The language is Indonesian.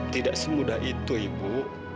tidak semudah itu ibu